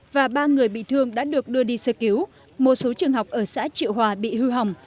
và ba người bị thương đã được đưa đi sơ cứu một số trường học ở xã triệu hòa bị hư hỏng